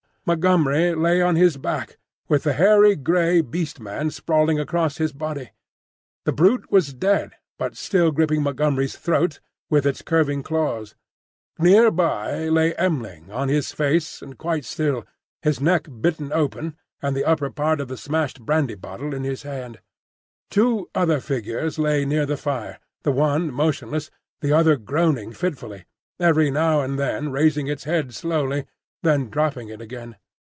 Montgomery lay on his back, with the hairy grey Beast man sprawling across his body. The brute was dead, but still gripping Montgomery's throat with its curving claws. Near by lay M'ling on his face and quite still, his neck bitten open and the upper part of the smashed brandy bottle in his hand. Two other figures lay near the fire,—the one motionless, the other groaning fitfully, every now and then raising its head slowly, then dropping it again.